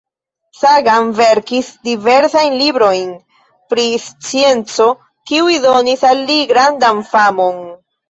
Sagan verkis diversajn librojn, pri scienco, kiuj donis al li grandan famon.